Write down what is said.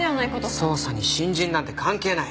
捜査に新人なんて関係ない。